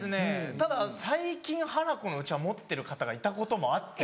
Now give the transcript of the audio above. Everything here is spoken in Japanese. ただ最近ハナコのうちわ持ってる方がいたこともあって。